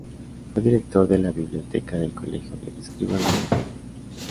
Fue director de la Biblioteca del Colegio de Escribanos de Argentina.